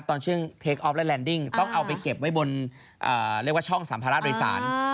ตอนเชื่องเทคอฟและแลนดิ้งต้องเอาไปเก็บไว้บนช่องสัมภาราชโดยศาล